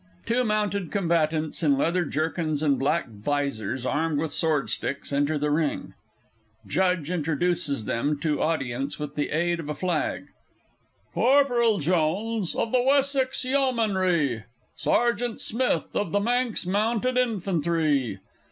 (Two mounted Combatants, in leather jerkins and black visors, armed with swordsticks, enter the ring; JUDGE introduces them to audience with the aid of a flag.) Corporal JONES, of the Wessex Yeomanry; Sergeant SMITH, of the Manx Mounted Infantry.